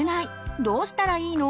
どうしたらいいの？